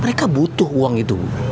mereka butuh uang itu